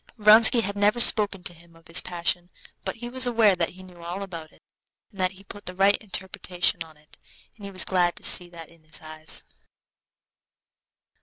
Vronsky had never spoken to him of his passion, but he was aware that he knew all about it, and that he put the right interpretation on it, and he was glad to see that in his eyes.